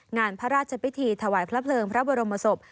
งานพระราชพิธีถวายพระเพลิงพระบรมศพ